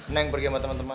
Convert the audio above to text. neng pergi sama temen temen